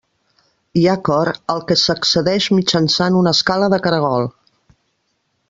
Hi ha cor, al que s'accedeix mitjançant una escala de caragol.